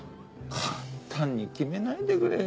簡単に決めないでくれよ。